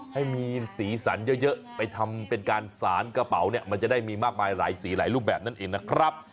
ให้มีสีสันเยอะไปทำเป็นการสารกระเป๋าเนี่ยมันจะได้มีมากมายหลายสีหลายรูปแบบนั่นเองนะครับ